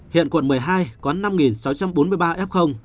hiện quận một mươi hai có năm sáu trăm bốn mươi ba f